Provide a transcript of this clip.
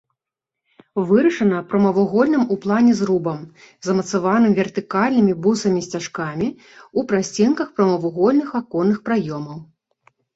Вырашана прамавугольным у плане зрубам, замацаваным вертыкальнымі бусамі-сцяжкамі ў прасценках прамавугольных аконных праёмаў.